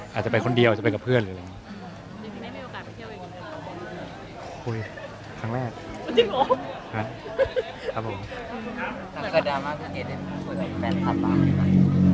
อาจจะไปคนเดียวจะไปกับเพื่อนเลยคุยครั้งแรกจริงหรอครับผม